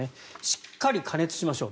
しっかり加熱しましょう。